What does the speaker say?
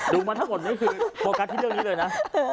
มาทั้งหมดนี้คือโฟกัสที่เรื่องนี้เลยนะ